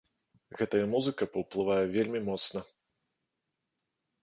Гэтая музыка паўплывае вельмі моцна.